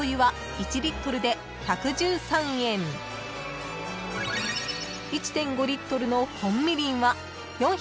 ［１．５リットルの本みりんは４２９円です］